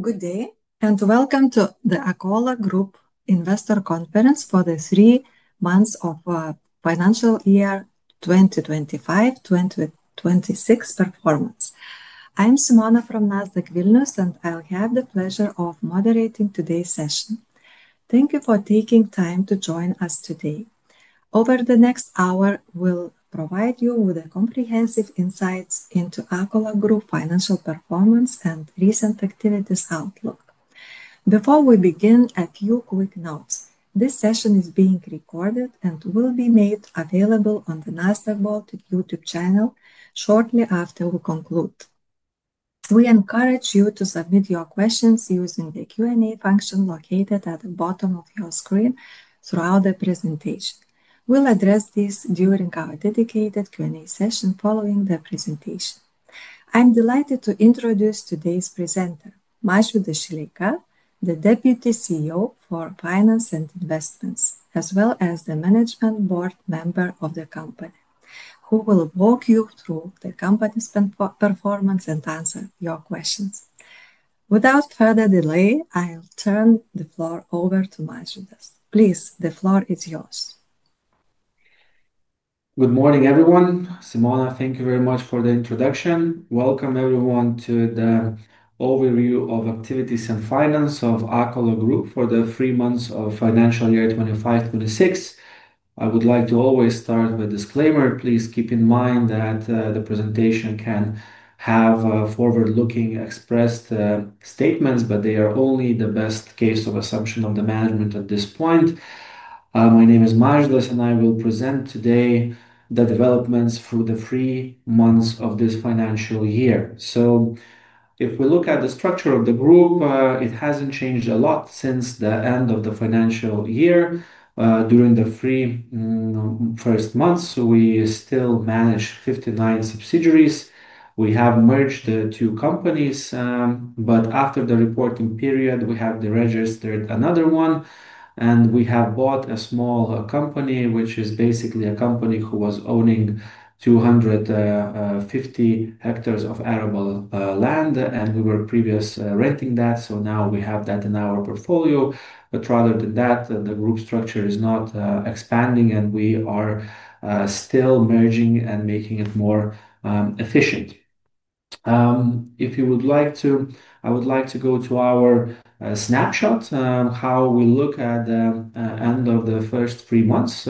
Good day and welcome to the Akola Group Investor Conference for the three months of financial year 2025-2026 performance. I'm Simona from Nasdaq Vilnius, and I'll have the pleasure of moderating today's session. Thank you for taking time to join us today. Over the next hour, we'll provide you with comprehensive insights into Akola Group financial performance and recent activities outlook. Before we begin, a few quick notes, this session is being recorded and will be made available on the Nasdaq Vault YouTube channel shortly after we conclude. We encourage you to submit your questions using the Q&A function located at the bottom of your screen throughout the presentation. We'll address these during our dedicated Q&A session following the presentation. I'm delighted to introduce today's presenter, Mažvydas Šileika, the Deputy CEO for Finance and Investments, as well as the management board member of the company, who will walk you through the company's performance and answer your questions. Without further delay, I'll turn the floor over to Mažvydas. Please, the floor is yours. Good morning, everyone. Simona, thank you very much for the introduction. Welcome, everyone, to the overview of activities and finance of Akola Group for the three months of financial year 2025-2026. I would like to always start with a disclaimer. Please keep in mind that the presentation can have forward-looking expressed statements, but they are only the best case of assumption of the management at this point. My name is Mažvydas, and I will present today the developments through the three months of this financial year. If we look at the structure of the group, it hasn't changed a lot since the end of the financial year. During the three first months, we still manage 59 subsidiaries. We have merged the two companies, but after the reporting period, we have registered another one, and we have bought a small company, which is basically a company who was owning 250 hectares of arable land, and we were previously renting that. Now we have that in our portfolio. Rather than that, the group structure is not expanding, and we are still merging and making it more efficient. If you would like to, I would like to go to our snapshot, how we look at the end of the first three months.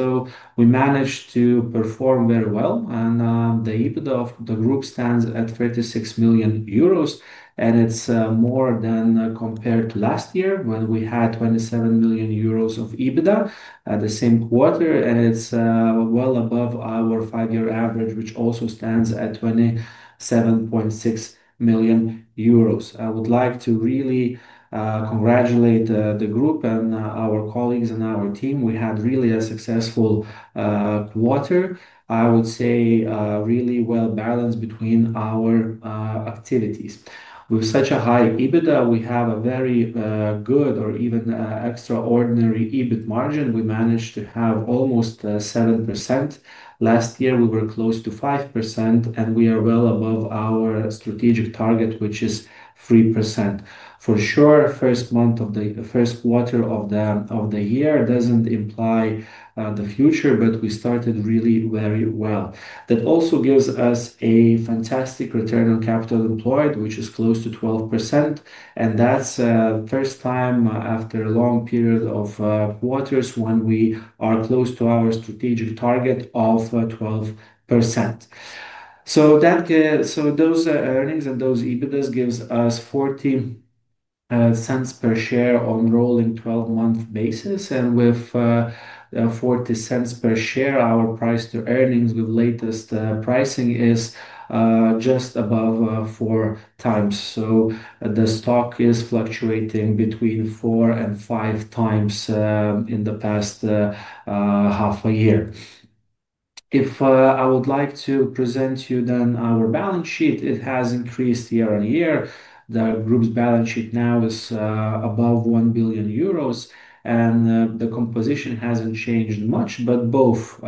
We managed to perform very well, and the EBITDA of the group stands at 36 million euros, and it is more than, compared to last year when we had 27 million euros of EBITDA at the same quarter, and it is well above our five-year average, which also stands at 27.6 million euros. I would like to really congratulate the group and our colleagues and our team. We had really a successful quarter, I would say, really well balanced between our activities. With such a high EBITDA, we have a very good or even extraordinary EBIT margin. We managed to have almost 7%. Last year, we were close to 5%, and we are well above our strategic target, which is 3%. For sure, the first month of the first quarter of the year doesn't imply the future, but we started really very well. That also gives us a fantastic return on capital employed, which is close to 12%, and that's a first time after a long period of quarters when we are close to our strategic target of 12%. That gives us, those earnings and those EBITDAs give us $0.40 per share on a rolling 12-month basis, and with $0.40 per share, our price to earnings with latest pricing is just above four times. The stock is fluctuating between four and five times in the past half a year. If I would like to present to you then our balance sheet, it has increased year-on-year. The group's balance sheet now is above 1 billion euros, and the composition hasn't changed much, but both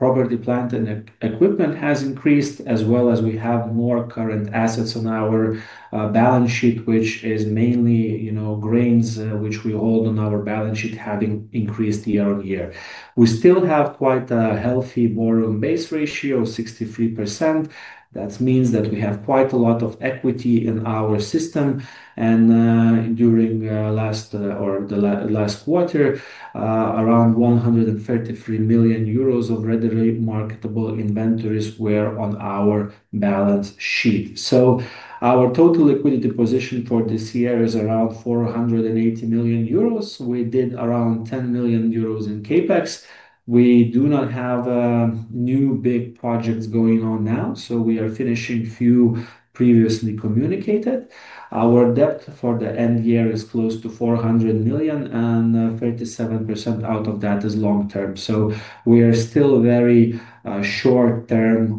property, plant, and equipment have increased, as well as we have more current assets on our balance sheet, which is mainly, you know, grains, which we hold on our balance sheet having increased year on year. We still have quite a healthy borrowing base ratio of 63%. That means that we have quite a lot of equity in our system, and, during last, or the last quarter, around 133 million euros of readily marketable inventories were on our balance sheet. Our total liquidity position for this year is around 480 million euros. We did around 10 million euros in CapEx. We do not have new big projects going on now, so we are finishing a few previously communicated. Our debt for the end year is close to 400 million, and 37% out of that is long-term. We are still very, short-term,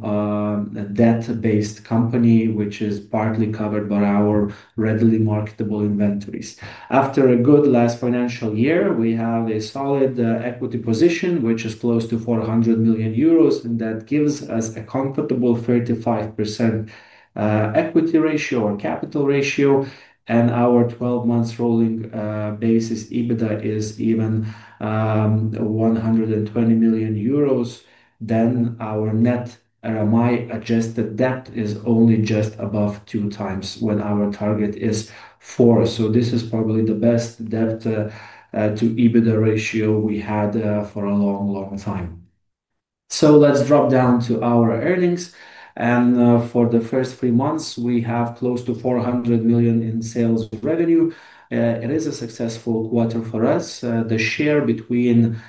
debt-based company, which is partly covered by our readily marketable inventories. After a good last financial year, we have a solid, equity position, which is close to 400 million euros, and that gives us a comfortable 35% equity ratio or capital ratio, and our 12-month rolling, basis EBITDA is even, 120 million euros. Our net RMI adjusted debt is only just above two times when our target is four. This is probably the best debt to EBITDA ratio we had for a long, long time. Let's drop down to our earnings, and for the first three months, we have close to 400 million in sales revenue. It is a successful quarter for us. The share between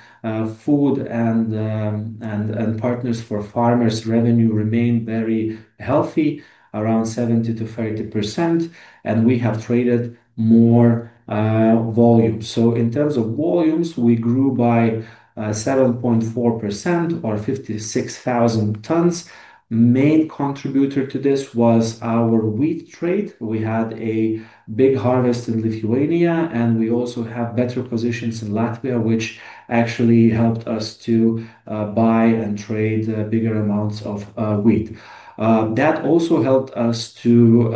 food and partners for farmers' revenue remained very healthy, around 70%-30%, and we have traded more volume. In terms of volumes, we grew by 7.4% or 56,000 tons. The main contributor to this was our wheat trade. We had a big harvest in Lithuania, and we also have better positions in Latvia, which actually helped us to buy and trade bigger amounts of wheat. That also helped us to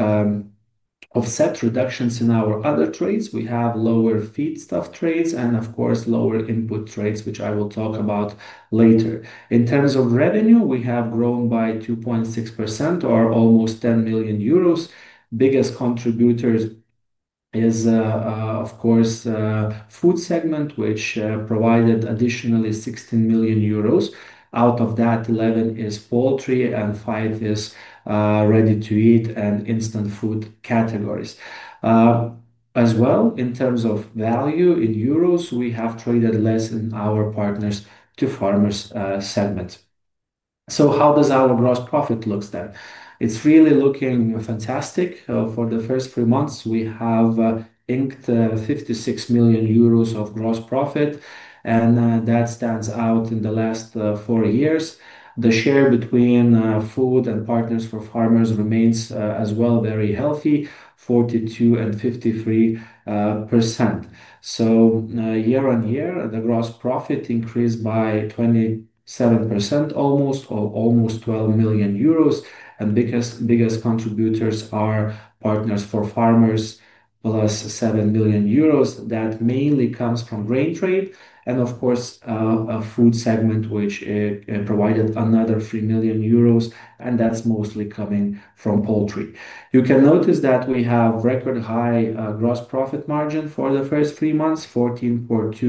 offset reductions in our other trades. We have lower feedstuff trades and, of course, lower input trades, which I will talk about later. In terms of revenue, we have grown by 2.6% or almost 10 million euros. Biggest contributor is, of course, the food segment, which provided additionally 16 million euros. Out of that, 11 is poultry and 5 is ready-to-eat and instant food categories. As well, in terms of value in euros, we have traded less in our partners to farmers segment. How does our gross profit look then? It's really looking fantastic. For the first three months, we have inked 56 million euros of gross profit, and that stands out in the last four years. The share between food and partners for farmers remains, as well, very healthy, 42% and 53%. Year-on-year, the gross profit increased by 27% almost, or almost 12 million euros, and the biggest, biggest contributors are partners for farmers plus 7 million euros. That mainly comes from grain trade and, of course, a food segment, which provided another 3 million euros, and that's mostly coming from poultry. You can notice that we have a record high gross profit margin for the first three months, 14.2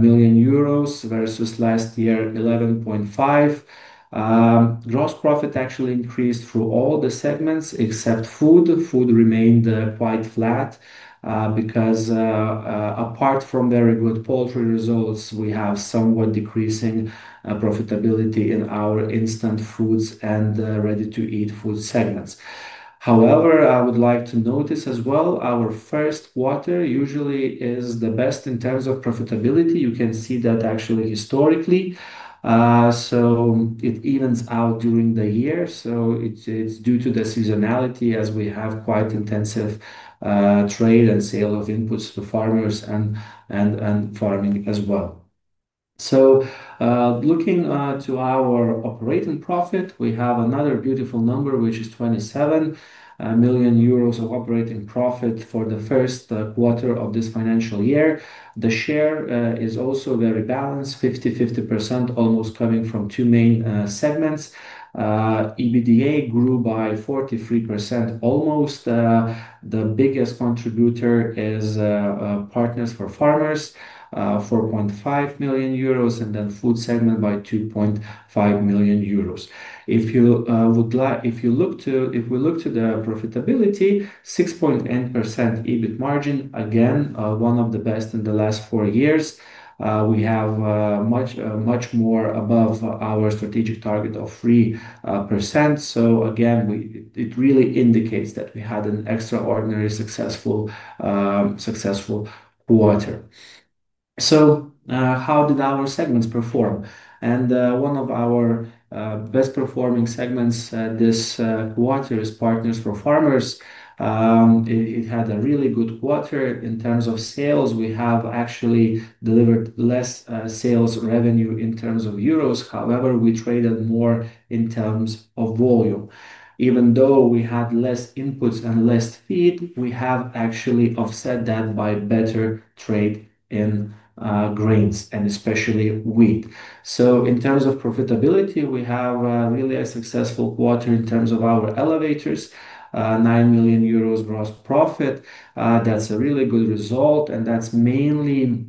million euros versus last year's 11.5 million. Gross profit actually increased through all the segments except food. Food remained quite flat, because, apart from very good poultry results, we have somewhat decreasing profitability in our instant foods and ready-to-eat food segments. However, I would like to notice as well our first quarter usually is the best in terms of profitability. You can see that actually historically, so it evens out during the year. It is due to the seasonality, as we have quite intensive trade and sale of inputs to farmers and farming as well. Looking to our operating profit, we have another beautiful number, which is 27 million euros of operating profit for the first quarter of this financial year. The share is also very balanced, 50%-50% almost coming from two main segments. EBITDA grew by 43% almost. The biggest contributor is partners for farmers, 4.5 million euros, and then the food segment by 2.5 million euros. If you would like, if you look to, if we look to the profitability, 6.8% EBIT margin, again, one of the best in the last four years. We have much, much more above our strategic target of 3%. It really indicates that we had an extraordinary, successful, successful quarter. How did our segments perform? One of our best-performing segments this quarter is partners for farmers. It had a really good quarter. In terms of sales, we have actually delivered less sales revenue in terms of euros. However, we traded more in terms of volume. Even though we had less inputs and less feed, we have actually offset that by better trade in grains and especially wheat. In terms of profitability, we have really a successful quarter in terms of our elevators, 9 million euros gross profit. That is a really good result, and that is mainly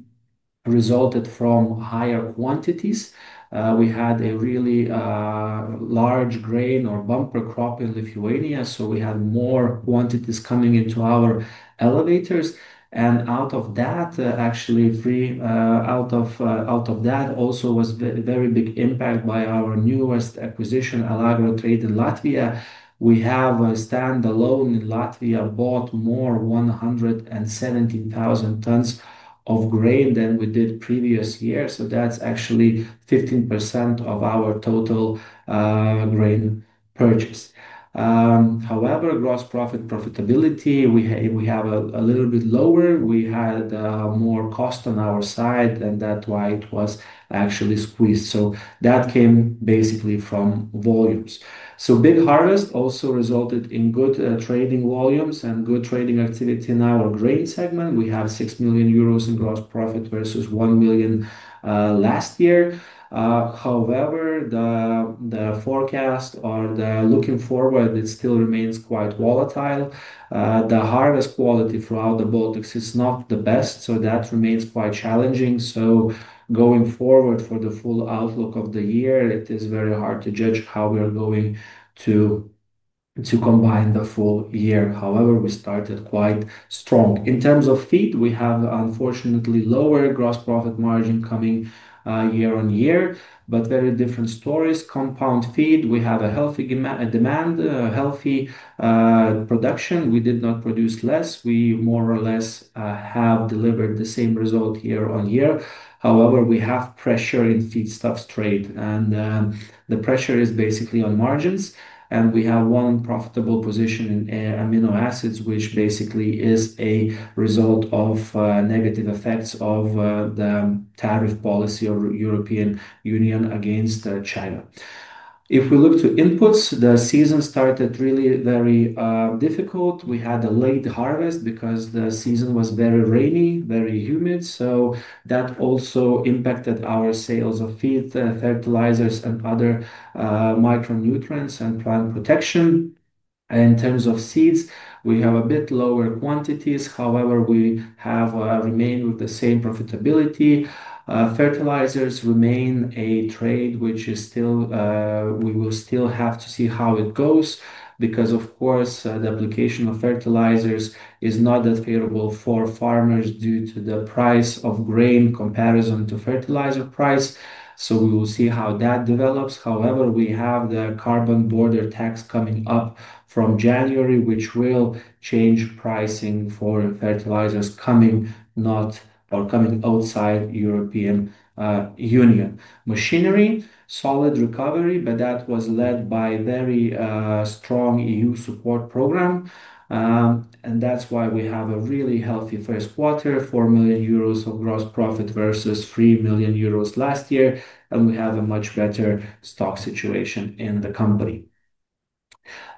resulted from higher quantities. We had a really large grain or bumper crop in Lithuania, so we had more quantities coming into our elevators. Out of that, actually, three, out of that also was a very big impact by our newest acquisition, Alagro Trade in Latvia. We have a standalone in Latvia bought more 117,000 tons of grain than we did previous year, so that's actually 15% of our total grain purchase. However, gross profit profitability, we have, we have a little bit lower. We had more cost on our side, and that's why it was actually squeezed. That came basically from volumes. Big harvest also resulted in good trading volumes and good trading activity in our grain segment. We have 6 million euros in gross profit versus 1 million last year. However, the forecast or the looking forward, it still remains quite volatile. The harvest quality throughout the Baltics is not the best, so that remains quite challenging. Going forward for the full outlook of the year, it is very hard to judge how we are going to combine the full year. However, we started quite strong. In terms of feed, we have unfortunately lower gross profit margin coming, year-on-year, but very different stories. Compound feed, we have a healthy demand, a healthy production. We did not produce less. We more or less have delivered the same result year-on-year. However, we have pressure in feedstuffs trade, and the pressure is basically on margins, and we have one profitable position in amino acids, which basically is a result of negative effects of the tariff policy of the European Union against China. If we look to inputs, the season started really very difficult. We had a late harvest because the season was very rainy, very humid, so that also impacted our sales of feed, fertilizers, and other micronutrients and plant protection. In terms of seeds, we have a bit lower quantities. However, we have remained with the same profitability. Fertilizers remain a trade which is still, we will still have to see how it goes because, of course, the application of fertilizers is not that favorable for farmers due to the price of grain comparison to fertilizer price. We will see how that develops. However, we have the carbon border tax coming up from January, which will change pricing for fertilizers coming not or coming outside the European Union. Machinery, solid recovery, but that was led by a very strong EU support program. That is why we have a really healthy first quarter, 4 million euros of gross profit versus 3 million euros last year, and we have a much better stock situation in the company.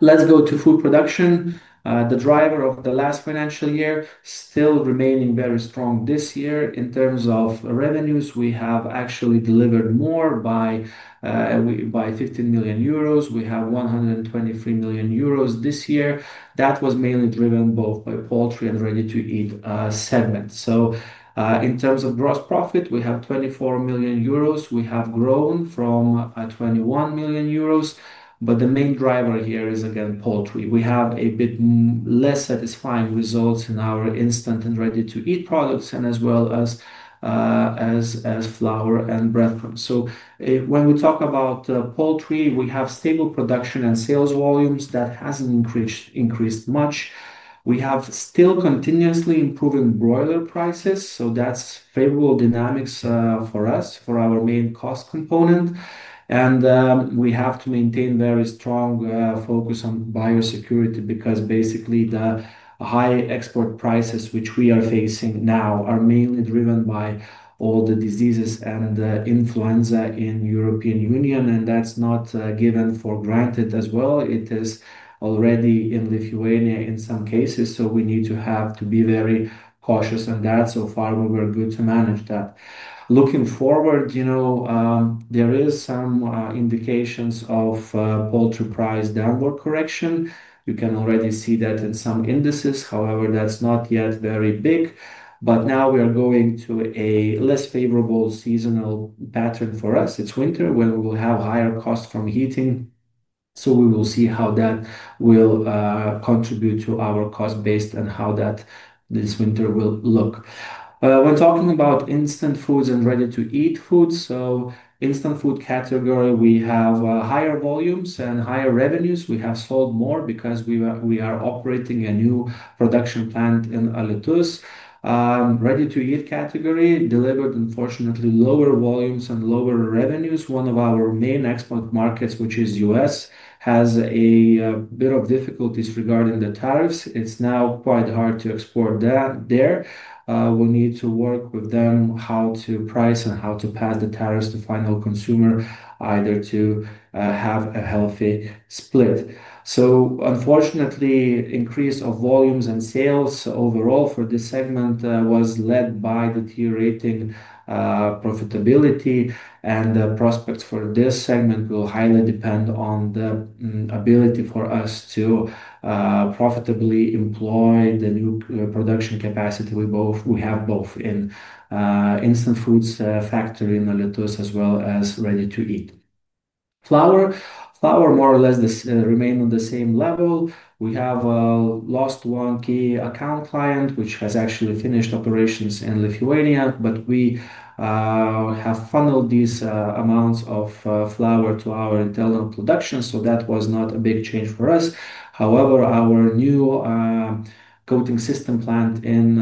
Let's go to food production. The driver of the last financial year still remaining very strong this year. In terms of revenues, we have actually delivered more by 15 million euros. We have 123 million euros this year. That was mainly driven both by poultry and ready-to-eat segment. In terms of gross profit, we have 24 million euros. We have grown from 21 million euros, but the main driver here is again poultry. We have a bit less satisfying results in our instant and ready-to-eat products as well as flour and breadcrumbs. When we talk about poultry, we have stable production and sales volumes. That has not increased much. We have still continuously improving broiler prices, so that is favorable dynamics for us for our main cost component. We have to maintain very strong focus on biosecurity because basically the high export prices which we are facing now are mainly driven by all the diseases and influenza in the European Union, and that is not given for granted as well. It is already in Lithuania in some cases, so we need to be very cautious on that. So far, we were good to manage that. Looking forward, you know, there are some indications of poultry price downward correction. You can already see that in some indices. However, that's not yet very big, but now we are going to a less favorable seasonal pattern for us. It's winter when we will have higher costs from heating, so we will see how that will contribute to our cost based on how this winter will look. When talking about instant foods and ready-to-eat foods, so instant food category, we have higher volumes and higher revenues. We have sold more because we are operating a new production plant in Alytus. Ready-to-eat category delivered, unfortunately, lower volumes and lower revenues. One of our main export markets, which is the U.S., has a bit of difficulties regarding the tariffs. It's now quite hard to export there. We need to work with them on how to price and how to pass the tariffs to the final consumer, either to have a healthy split. Unfortunately, the increase of volumes and sales overall for this segment was led by deteriorating profitability, and the prospects for this segment will highly depend on the ability for us to profitably employ the new production capacity we have both in the instant foods factory in Alytus as well as ready-to-eat. Flour more or less remained on the same level. We have lost one key account client which has actually finished operations in Lithuania, but we have funneled these amounts of flour to our internal production, so that was not a big change for us. However, our new coating system plant in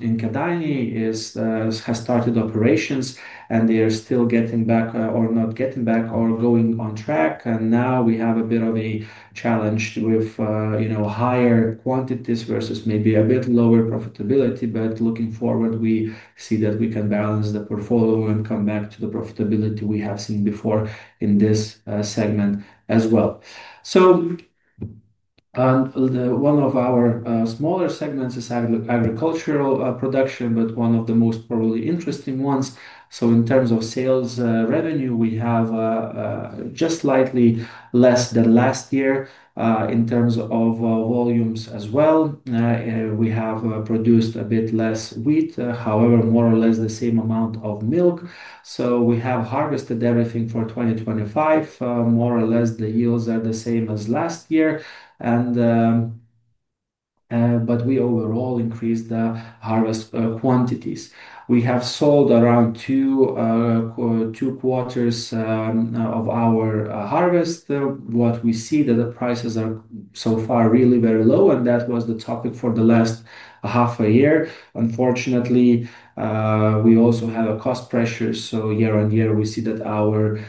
Kėdainiai has started operations, and they are still getting back or not getting back or going on track. Now we have a bit of a challenge with, you know, higher quantities versus maybe a bit lower profitability, but looking forward, we see that we can balance the portfolio and come back to the profitability we have seen before in this segment as well. One of our smaller segments is agricultural production, but one of the most probably interesting ones. In terms of sales revenue, we have just slightly less than last year. In terms of volumes as well, we have produced a bit less wheat, however, more or less the same amount of milk. We have harvested everything for 2025. More or less the yields are the same as last year, and, but we overall increased the harvest quantities. We have sold around two, two quarters, of our harvest. What we see is that the prices are so far really very low, and that was the topic for the last half a year. Unfortunately, we also have a cost pressure, so year on year we see that our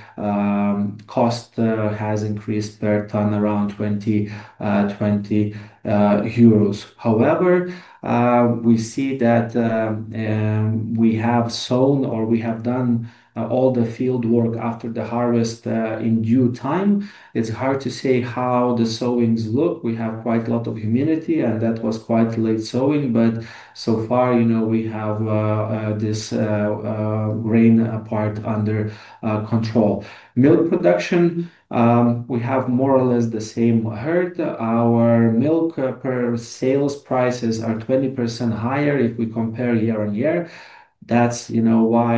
cost has increased per ton around 20 euros, 20 euros. However, we see that we have sown or we have done all the field work after the harvest in due time. It's hard to say how the sowings look. We have quite a lot of humidity, and that was quite late sowing, but so far, you know, we have this rain part under control. Milk production, we have more or less the same herd. Our milk per sales prices are 20% higher if we compare year-on-year. That's, you know, why,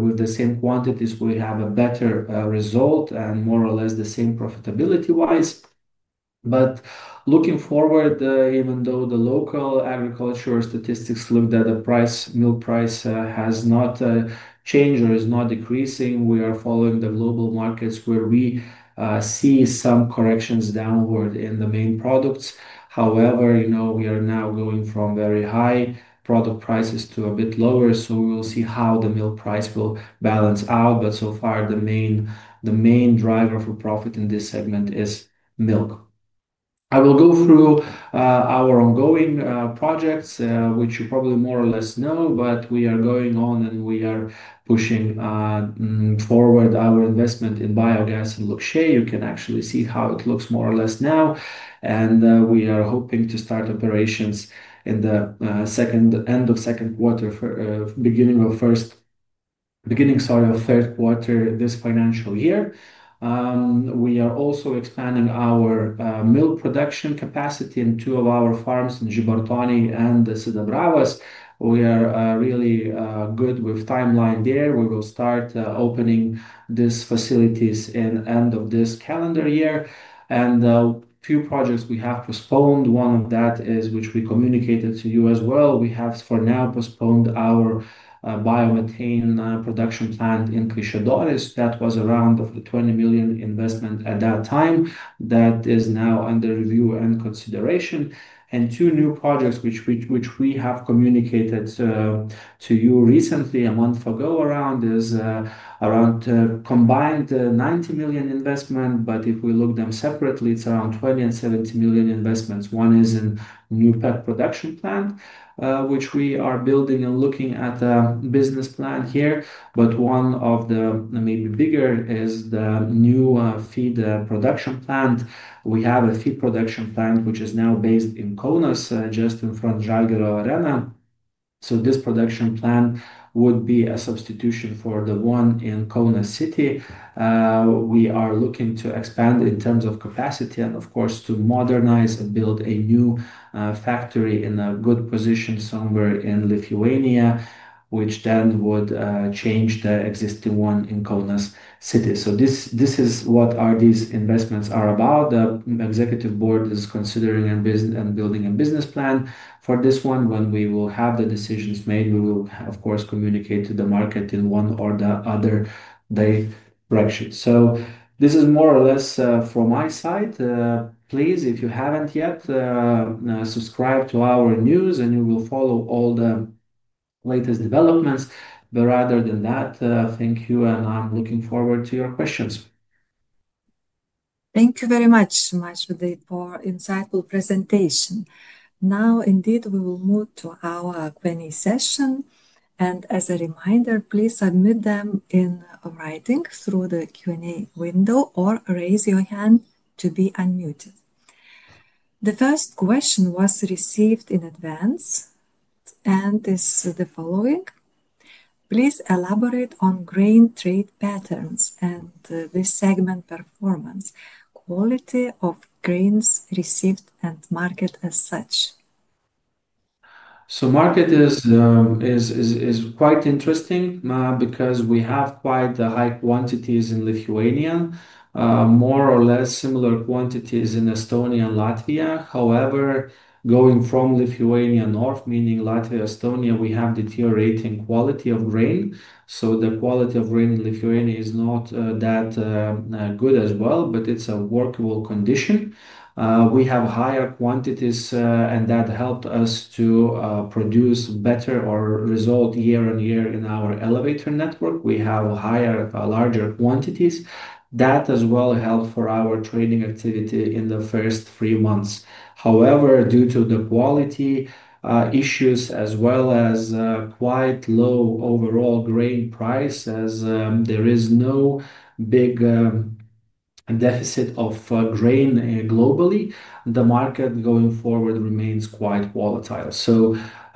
with the same quantities we have a better result and more or less the same profitability-wise. Looking forward, even though the local agricultural statistics look that the price, milk price, has not changed or is not decreasing, we are following the global markets where we see some corrections downward in the main products. However, you know, we are now going from very high product prices to a bit lower, so we will see how the milk price will balance out. So far, the main, the main driver for profit in this segment is milk. I will go through our ongoing projects, which you probably more or less know, but we are going on and we are pushing forward our investment in biogas in Lukšė. You can actually see how it looks more or less now, and we are hoping to start operations in the second end of second quarter, for beginning of first, beginning, sorry, of third quarter this financial year. We are also expanding our milk production capacity in two of our farms in Žibartoniai and Sidabravas. We are really good with timeline there. We will start opening these facilities at the end of this calendar year, and a few projects we have postponed. One of that is which we communicated to you as well. We have for now postponed our biomethane production plant in Kaišiadoris. That was around 20 million investment at that time. That is now under review and consideration. Two new projects which we have communicated to you recently, a month ago, are around a combined 90 million investment, but if we look at them separately, it is around 20 million and 70 million investments. One is in a new pet production plant, which we are building and looking at a business plan here, but one of the maybe bigger is the new feed production plant. We have a feed production plant which is now based in Kaunas, just in front of Žalgirio arena. This production plant would be a substitution for the one in Kaunas city. We are looking to expand in terms of capacity and, of course, to modernize and build a new factory in a good position somewhere in Lithuania, which then would change the existing one in Kaunas city. This is what these investments are about. The executive board is considering and building, and building a business plan for this one. When we will have the decisions made, we will, of course, communicate to the market in one or the other day break sheet. This is more or less, from my side. Please, if you haven't yet, subscribe to our news and you will follow all the latest developments. Rather than that, thank you, and I'm looking forward to your questions. Thank you very much, Mažvydai, for an insightful presentation. Now, indeed, we will move to our Q&A session, and as a reminder, please submit them in writing through the Q&A window or raise your hand to be unmuted. The first question was received in advance and is the following. Please elaborate on grain trade patterns and this segment performance, quality of grains received and market as such. Market is quite interesting, because we have quite high quantities in Lithuania, more or less similar quantities in Estonia and Latvia. However, going from Lithuania north, meaning Latvia, Estonia, we have deteriorating quality of grain. The quality of grain in Lithuania is not that good as well, but it's a workable condition. We have higher quantities, and that helped us to produce better result year-on-year in our elevator network. We have higher, larger quantities. That as well helped for our trading activity in the first three months. However, due to the quality issues as well as quite low overall grain prices, there is no big deficit of grain globally. The market going forward remains quite volatile.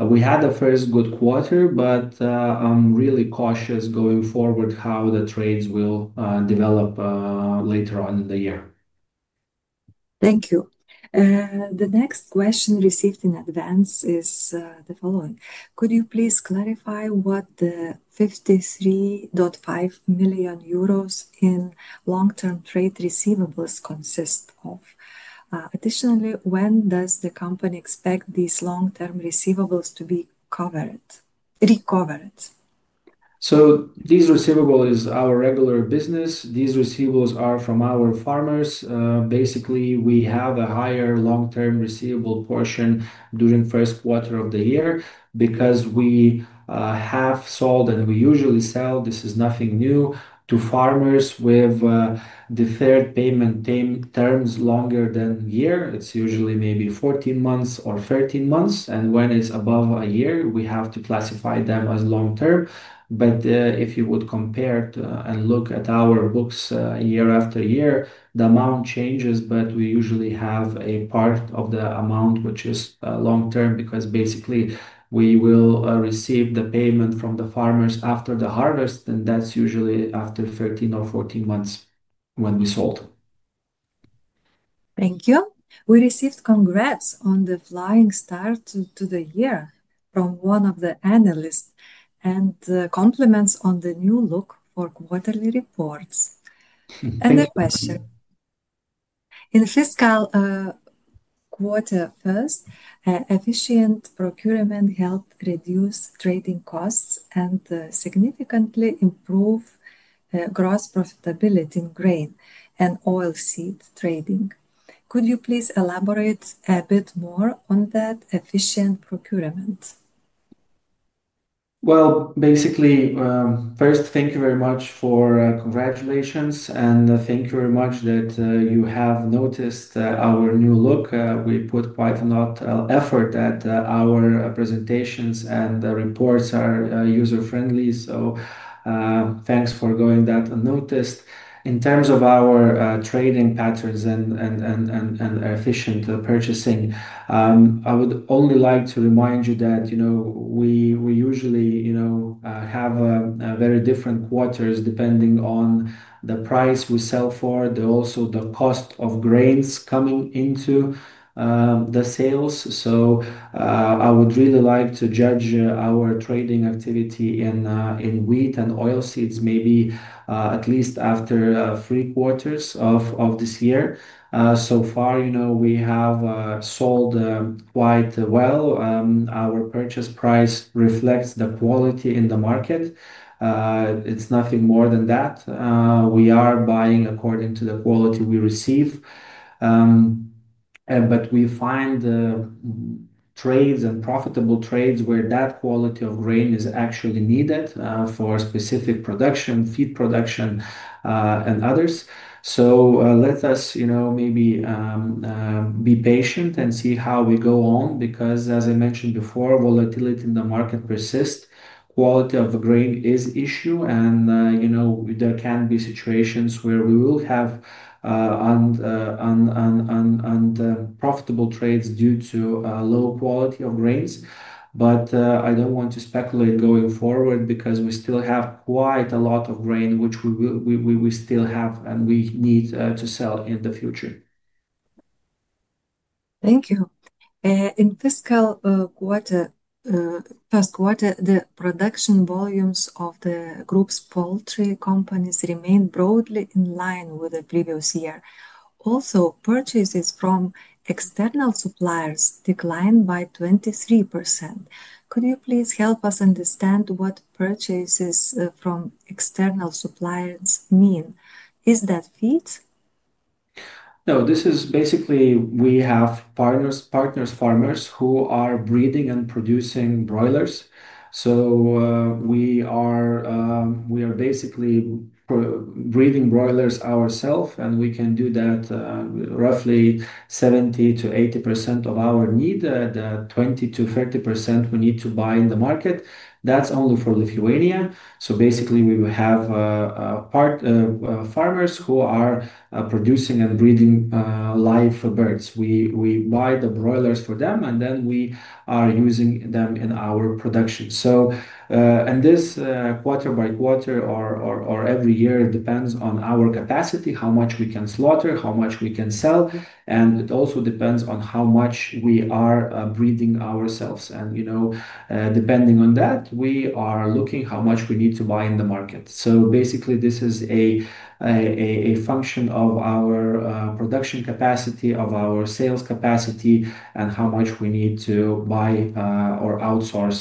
We had a first good quarter, but I'm really cautious going forward how the trades will develop later on in the year. Thank you. The next question received in advance is the following. Could you please clarify what the 53.5 million euros in long-term trade receivables consist of? Additionally, when does the company expect these long-term receivables to be recovered? This receivable is our regular business. These receivables are from our farmers. Basically, we have a higher long-term receivable portion during the first quarter of the year because we have sold and we usually sell. This is nothing new to farmers with deferred payment terms longer than a year. It's usually maybe 14 months or 13 months, and when it's above a year, we have to classify them as long-term. If you would compare to and look at our books year after year, the amount changes, but we usually have a part of the amount which is long-term because basically we will receive the payment from the farmers after the harvest, and that is usually after 13 or 14 months when we sold. Thank you. We received congrats on the flying start to the year from one of the analysts and compliments on the new look for quarterly reports. Another question. In fiscal, quarter first, efficient procurement helped reduce trading costs and significantly improve gross profitability in grain and oilseed trading. Could you please elaborate a bit more on that efficient procurement? Basically, first, thank you very much for congratulations, and thank you very much that you have noticed our new look. We put quite a lot of effort at, our presentations and reports are user-friendly, so thanks for going that unnoticed. In terms of our trading patterns and efficient purchasing, I would only like to remind you that, you know, we usually, you know, have very different quarters depending on the price we sell for, also the cost of grains coming into the sales. I would really like to judge our trading activity in wheat and oilseeds maybe at least after three quarters of this year. You know, we have sold quite well so far. Our purchase price reflects the quality in the market. It is nothing more than that. We are buying according to the quality we receive. We find trades and profitable trades where that quality of grain is actually needed for specific production, feed production, and others. Let us, you know, maybe be patient and see how we go on because, as I mentioned before, volatility in the market persists. Quality of the grain is an issue, and, you know, there can be situations where we will have unprofitable trades due to low quality of grains. I do not want to speculate going forward because we still have quite a lot of grain which we still have and we need to sell in the future. Thank you. In fiscal quarter, first quarter, the production volumes of the group's poultry companies remained broadly in line with the previous year. Also, purchases from external suppliers declined by 23%. Could you please help us understand what purchases from external suppliers mean? Is that feed? No, this is basically we have partners, farmers who are breeding and producing broilers. We are basically breeding broilers ourselves, and we can do that, roughly 70%-80% of our need. The 20%-30% we need to buy in the market. That is only for Lithuania. We will have part, farmers who are producing and breeding live birds. We buy the broilers from them, and then we are using them in our production. This, quarter by quarter or every year, depends on our capacity, how much we can slaughter, how much we can sell, and it also depends on how much we are breeding ourselves. You know, depending on that, we are looking how much we need to buy in the market. This is a function of our production capacity, of our sales capacity, and how much we need to buy or outsource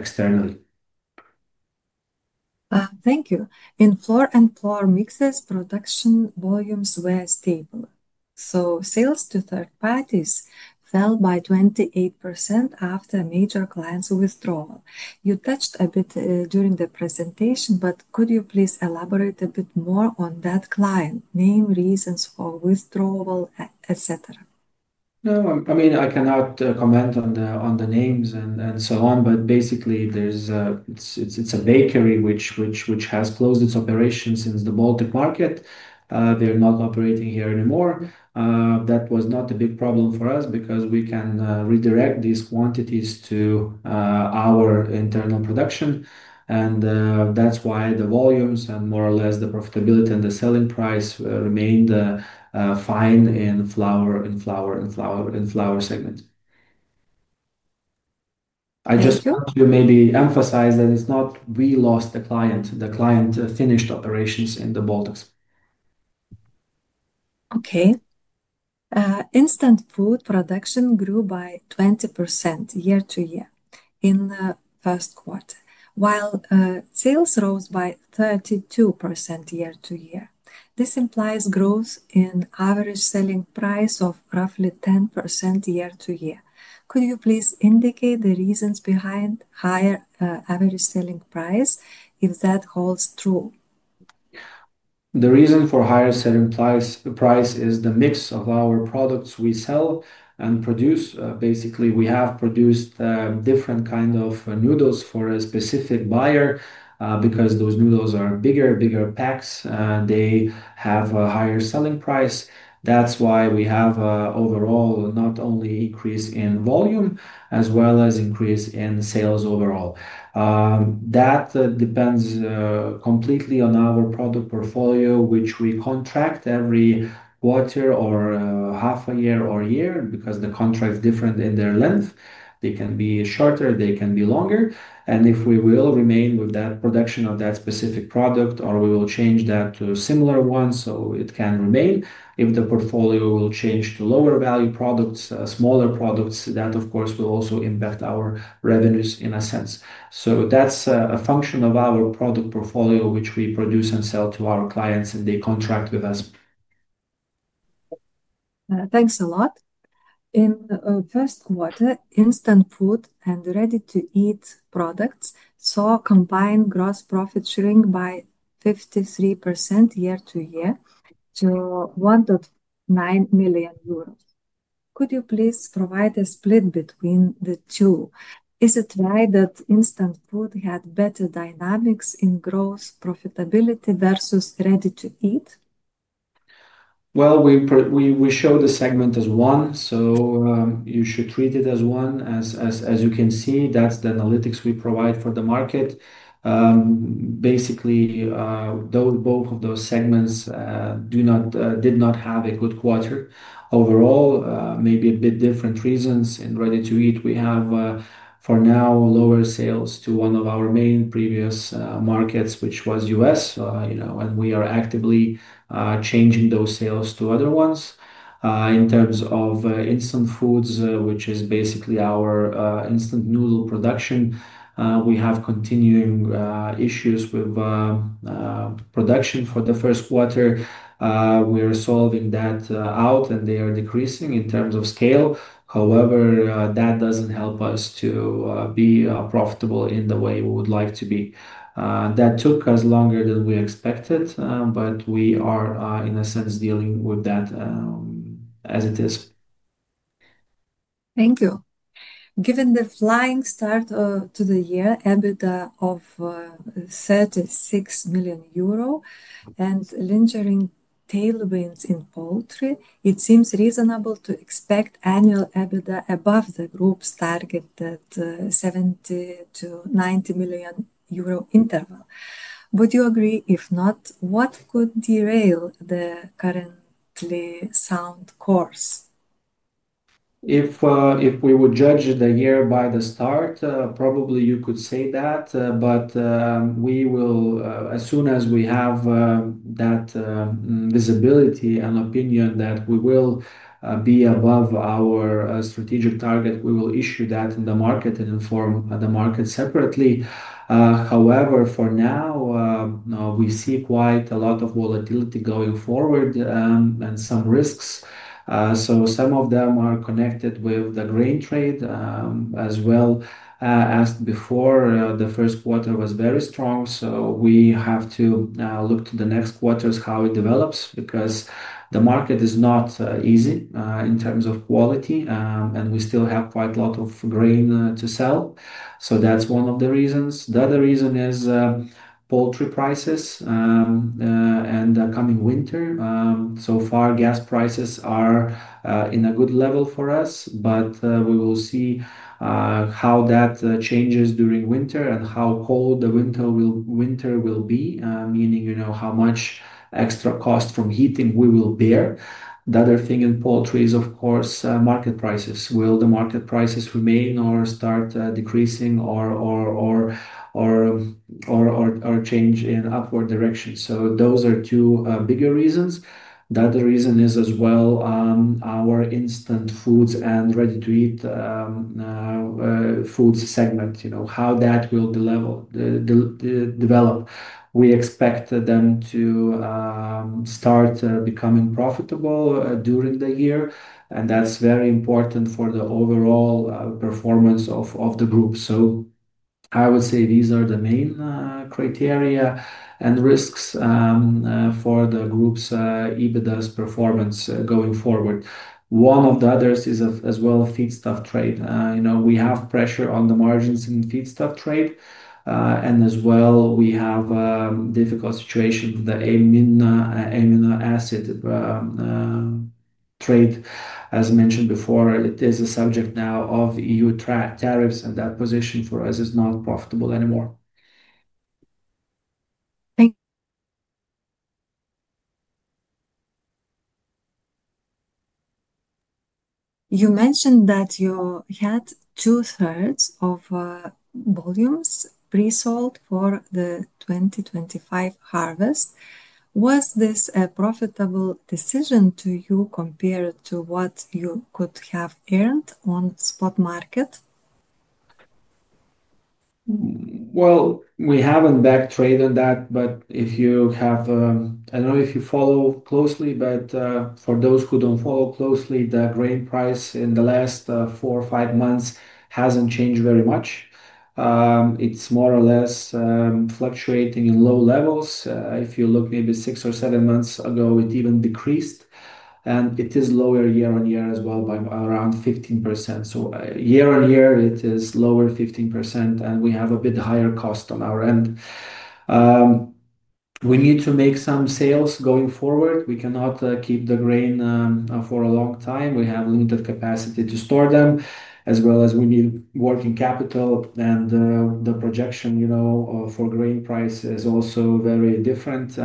externally. Thank you. In flour and flour mixes, production volumes were stable. Sales to third parties fell by 28% after major clients' withdrawal. You touched a bit during the presentation, but could you please elaborate a bit more on that client name, reasons for withdrawal, etc.? No, I mean, I cannot comment on the names and so on, but basically, it's a bakery which has closed its operations in the Baltic market. They're not operating here anymore. That was not a big problem for us because we can redirect these quantities to our internal production. That's why the volumes and more or less the profitability and the selling price remained fine in flour, in flour segment. I just want to maybe emphasize that it's not we lost the client. The client finished operations in the Baltics. Okay. Instant food production grew by 20% year-to-year in the first quarter, while sales rose by 32% year-to-year. This implies growth in average selling price of roughly 10% year-to-year. Could you please indicate the reasons behind higher average selling price if that holds true? The reason for higher selling price is the mix of our products we sell and produce. Basically, we have produced different kinds of noodles for a specific buyer, because those noodles are bigger, bigger packs, they have a higher selling price. That's why we have overall not only increase in volume as well as increase in sales overall. That depends completely on our product portfolio, which we contract every quarter or half a year or year because the contract is different in their length. They can be shorter, they can be longer, and if we will remain with that production of that specific product or we will change that to a similar one so it can remain. If the portfolio will change to lower value products, smaller products, that of course will also impact our revenues in a sense. That is a function of our product portfolio which we produce and sell to our clients and they contract with us. Thanks a lot. In the first quarter, Instant Food and ready-to-eat products saw combined gross profit shrink by 53% year to year to 1.9 million euros. Could you please provide a split between the two? Is it right that Instant Food had better dynamics in gross profitability versus ready-to-eat? We show the segment as one, so you should treat it as one. As you can see, that's the analytics we provide for the market. Basically, both of those segments did not have a good quarter overall, maybe a bit different reasons. In ready-to-eat, we have, for now, lower sales to one of our main previous markets, which was U.S., you know, and we are actively changing those sales to other ones. In terms of Instant Foods, which is basically our Instant Noodle production, we have continuing issues with production for the first quarter. We are solving that out and they are decreasing in terms of scale. However, that doesn't help us to be profitable in the way we would like to be. That took us longer than we expected, but we are, in a sense, dealing with that as it is. Thank you. Given the flying start to the year, EBITDA of 36 million euro and lingering tailwinds in poultry, it seems reasonable to expect annual EBITDA above the group's target at the 70-90 million euro interval. Would you agree? If not, what could derail the currently sound course? If we would judge the year by the start, probably you could say that, but we will, as soon as we have that visibility and opinion that we will be above our strategic target, we will issue that in the market and inform the market separately. However, for now, we see quite a lot of volatility going forward, and some risks. Some of them are connected with the grain trade, as well as before. The first quarter was very strong, so we have to look to the next quarters how it develops because the market is not easy in terms of quality, and we still have quite a lot of grain to sell. That is one of the reasons. The other reason is poultry prices, and coming winter. So far, gas prices are in a good level for us, but we will see how that changes during winter and how cold the winter will be, meaning, you know, how much extra cost from heating we will bear. The other thing in poultry is, of course, market prices. Will the market prices remain or start decreasing or change in upward direction? Those are two bigger reasons. The other reason is as well, our instant foods and ready-to-eat foods segment, you know, how that will the level, the, the develop. We expect them to start becoming profitable during the year, and that's very important for the overall performance of the group. I would say these are the main criteria and risks for the group's EBITDA performance going forward. One of the others is as well feedstuff trade. You know, we have pressure on the margins in feedstuff trade, and as well we have a difficult situation with the amino, amino acid trade. As mentioned before, it is a subject now of EU tariffs, and that position for us is not profitable anymore. Thank you. You mentioned that you had two-thirds of volumes presold for the 2025 harvest. Was this a profitable decision to you compared to what you could have earned on spot market? We haven't backed trade on that, but if you have, I don't know if you follow closely, but, for those who don't follow closely, the grain price in the last four or five months hasn't changed very much. It's more or less fluctuating in low levels. If you look maybe six or seven months ago, it even decreased, and it is lower year-on-year as well by around 15%. Year-on-year, it is lower 15%, and we have a bit higher cost on our end. We need to make some sales going forward. We cannot keep the grain for a long time. We have limited capacity to store them, as well as we need working capital, and the projection, you know, for grain price is also very different.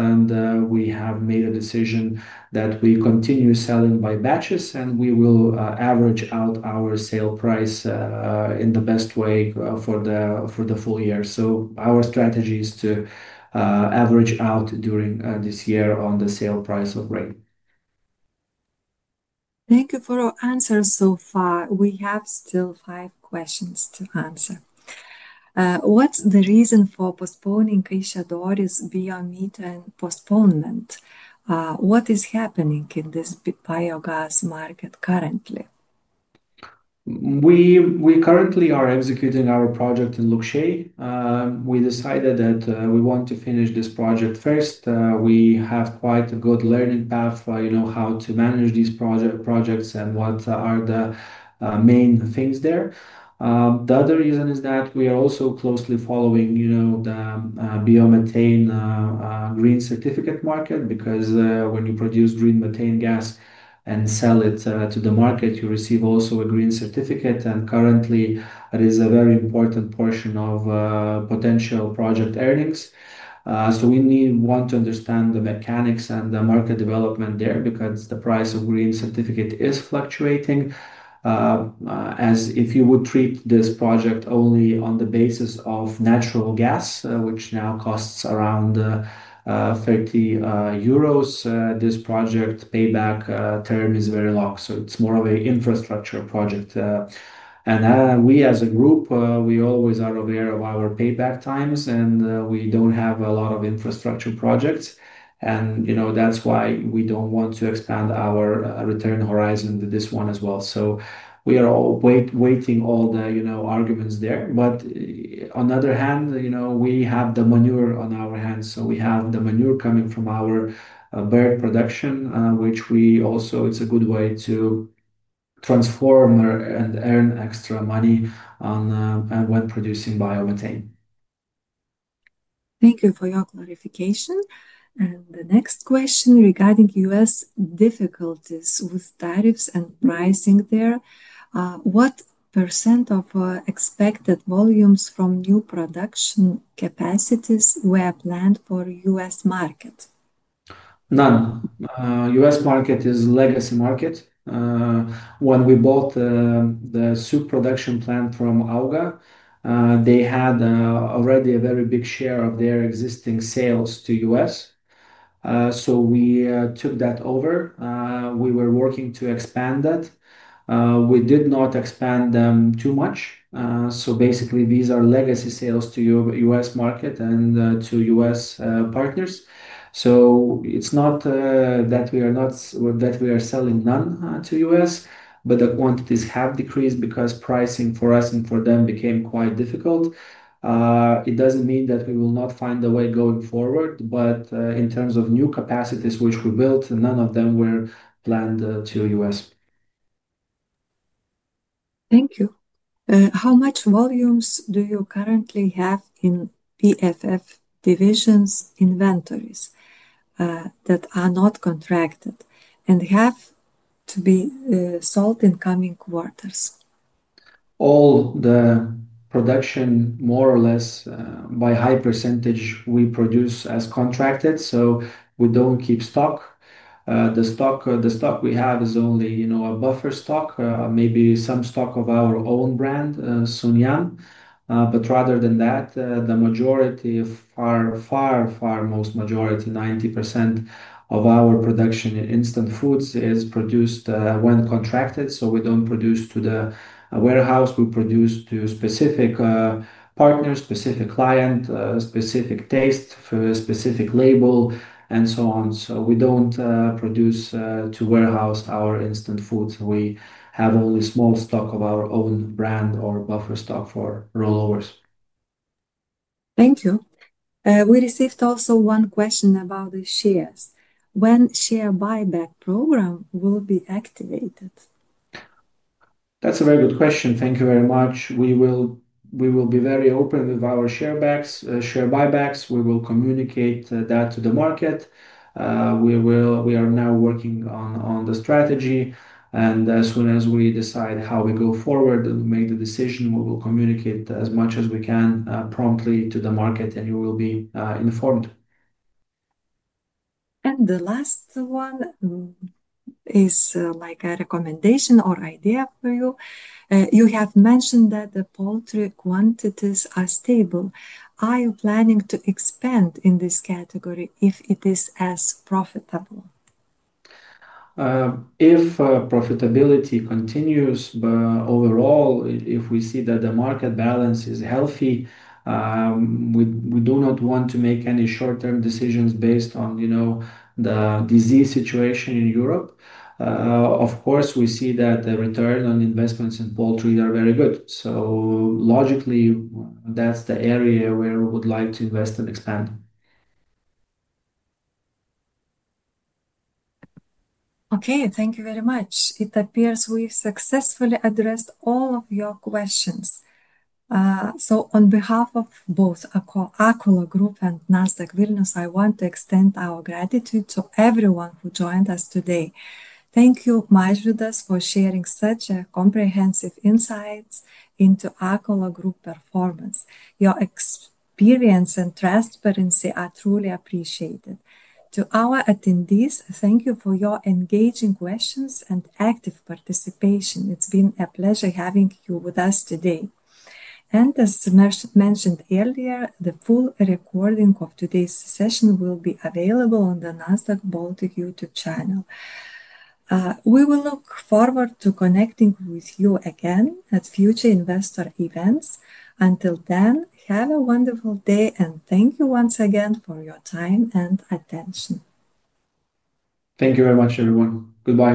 We have made a decision that we continue selling by batches, and we will average out our sale price in the best way for the full year. Our strategy is to average out during this year on the sale price of grain. Thank you for your answers so far. We have still five questions to answer. What's the reason for postponing Kėdainiai coating system beyond meat and postponement? What is happening in this biogas market currently? We currently are executing our project in Lukšė. We decided that we want to finish this project first. We have quite a good learning path, you know, how to manage these projects and what are the main things there. The other reason is that we are also closely following, you know, the biomethane, green certificate market because, when you produce green methane gas and sell it to the market, you receive also a green certificate, and currently it is a very important portion of potential project earnings. We need, want to understand the mechanics and the market development there because the price of green certificate is fluctuating. If you would treat this project only on the basis of natural gas, which now costs around 30 euros, this project payback term is very long. It is more of an infrastructure project. We as a group, we always are aware of our payback times, and we do not have a lot of infrastructure projects. You know, that is why we do not want to expand our return horizon to this one as well. We are all waiting, you know, arguments there. On the other hand, you know, we have the manure on our hands. We have the manure coming from our bird production, which we also, it's a good way to transform and earn extra money on, and when producing biomethane. Thank you for your clarification. The next question regarding U.S. difficulties with tariffs and pricing there. What percent of expected volumes from new production capacities were planned for U.S. market? None. U.S. market is a legacy market. When we bought the soup production plant from AUGA, they had already a very big share of their existing sales to U.S. We took that over. We were working to expand that. We did not expand them too much. Basically these are legacy sales to U.S. market and to U.S. partners. It's not that we are not, that we are selling none to U.S., but the quantities have decreased because pricing for us and for them became quite difficult. It doesn't mean that we will not find a way going forward, but, in terms of new capacities which we built, none of them were planned to U.S. Thank you. How much volumes do you currently have in PFF division's inventories, that are not contracted and have to be sold in coming quarters? All the production more or less, by high percentage we produce as contracted, so we don't keep stock. The stock, the stock we have is only, you know, a buffer stock, maybe some stock of our own brand, Sunyan. But rather than that, the majority of our far, far most majority, 90% of our production in Instant Foods is produced when contracted. We do not produce to the warehouse. We produce to specific partners, specific clients, specific taste, specific label, and so on. We do not produce to warehouse our Instant Foods. We have only small stock of our own brand or buffer stock for roll-overs. Thank you. We received also one question about the shares. When will the share buyback program be activated? That is a very good question. Thank you very much. We will be very open with our share buybacks. We will communicate that to the market. We are now working on the strategy, and as soon as we decide how we go forward and make the decision, we will communicate as much as we can, promptly to the market, and you will be informed. The last one is like a recommendation or idea for you. You have mentioned that the poultry quantities are stable. Are you planning to expand in this category if it is as profitable? If profitability continues, but overall, if we see that the market balance is healthy, we do not want to make any short-term decisions based on, you know, the disease situation in Europe. Of course, we see that the return on investments in poultry are very good. So logically, that's the area where we would like to invest and expand. Okay, thank you very much. It appears we've successfully addressed all of your questions. On behalf of both Akola Group and Nasdaq Vilnius, I want to extend our gratitude to everyone who joined us today. Thank you, Mažvydas, for sharing such comprehensive insights into Akola Group performance. Your experience and transparency are truly appreciated. To our attendees, thank you for your engaging questions and active participation. It's been a pleasure having you with us today. As mentioned earlier, the full recording of today's session will be available on the Nasdaq Baltic YouTube channel. We will look forward to connecting with you again at future investor events. Until then, have a wonderful day, and thank you once again for your time and attention. Thank you very much, everyone. Goodbye.